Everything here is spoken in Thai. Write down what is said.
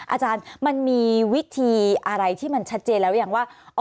อาจารย์มันมีวิธีอะไรที่มันชัดเจนแล้วหรือยังว่า